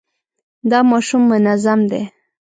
دا ماشوم منظم دی.